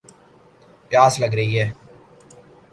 پیاس لَگ رہی